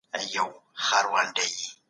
اسلام د خلګو د شخصي ملکيت دفاع کوي.